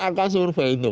angka survei itu